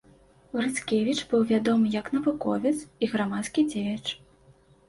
Грыцкевіч быў вядомы як навуковец і грамадскі дзеяч.